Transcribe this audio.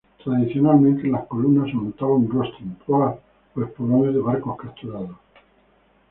Tradicionalmente, en las columnas se montaba un rostrum, proas o espolones de barcos capturados.